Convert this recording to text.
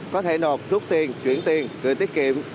có thể nộp rút tiền chuyển tiền gửi tiết kiệm